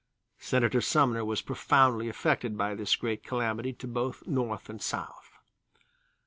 Senator Sumner was profoundly affected by this great calamity to both North and South.